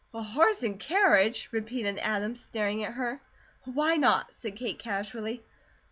"A horse and carriage?" repeated Adam, staring at her. "Why not?" said Kate, casually.